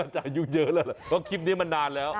จะยุ่งเยอะเลยเหรอเพราะว่าคลิปนี้มันนานแล้ว